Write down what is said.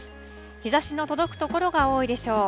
日ざしの届くところが多いでしょう。